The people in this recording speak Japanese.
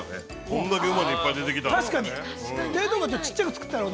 こんだけ、うまいもの、いっぱい出てきたら。